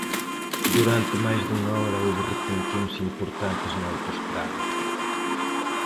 Durante máis dunha hora houbo retencións importantes na autoestrada.